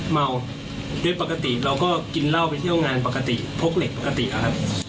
เมาโดยปกติเราก็กินเหล้าไปเที่ยวงานปกติพกเหล็กปกติอะครับ